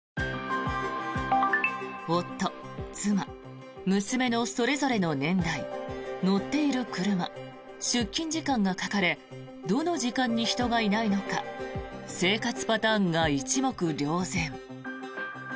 夫、妻、娘のそれぞれの年代乗っている車、出勤時間が書かれどの時間に人がいないのか生活パターンが一目瞭然。